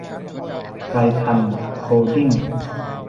ไทรทัน โฮลดิ้ง